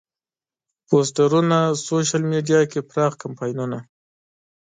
پوسترونه، سوشیل میډیا کې پراخ کمپاینونه.